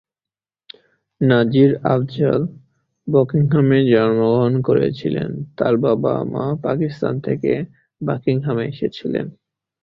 নাজির আফজাল বার্মিংহামে জন্মগ্রহণ করেছিলেন, তার বাবা-মা পাকিস্তান থেকে বার্মিংহামে এসেছিলেন।